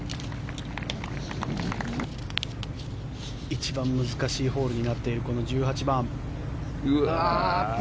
一番難しいホールになっている１８番。